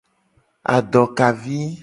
Adokavi.